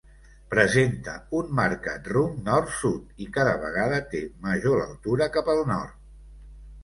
Presenta un marcat rumb nord-sud, i cada vegada té major l'altura cap al nord.